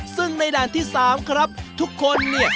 ซึ่งในด่านที่๓ครับทุกคนเนี่ย